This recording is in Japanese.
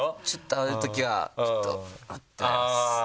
ああいうときはちょっとウッ！ってなります。